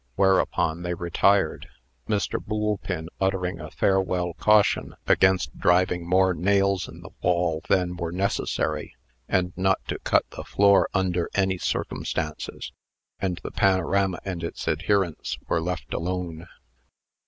Whereupon they retired Mr. Boolpin uttering a farewell caution against driving more nails in the wall than were necessary, and not to cut the floor under any circumstances and the panorama and its adherents were left alone.